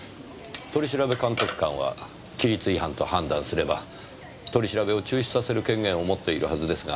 取調監督官は規律違反と判断すれば取り調べを中止させる権限を持っているはずですが。